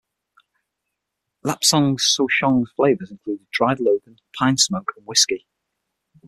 Lapsang souchong's flavours include dried longan, pine smoke and whiskey.